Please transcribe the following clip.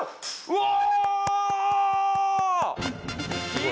うわ！